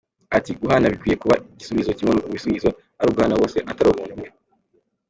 Ati “Guhana bikwiye kuba igisubizo, kimwe mu bisubizo, ari uguhana bose atari umuntu umwe.